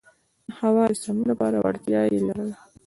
د هوا د سمون لپاره وړتیا یې لرله.